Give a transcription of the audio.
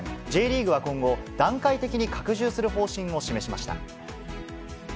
Ｊリーグは今後、段階的に拡充する方針を示しました。